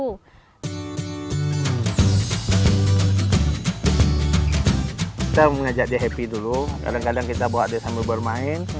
kita mengajak dia happy dulu kadang kadang kita bawa dia sambil bermain